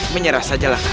menyerah sajalah kau